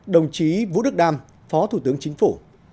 đồng chí vũ đức đam phó thủ tướng chính phủ